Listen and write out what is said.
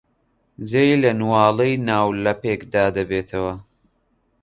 جێی لە نواڵەی ناولەپێکدا دەبێتەوە.